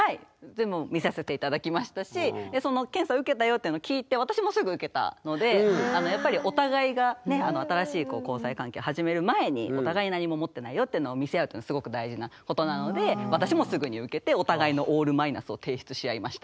全部見させて頂きましたしその検査受けたよっていうの聞いてやっぱりお互いがね新しい交際関係始める前にお互い何も持ってないよっていうのを見せ合うってすごく大事なことなので私もすぐに受けてお互いのオールマイナスを提出し合いました。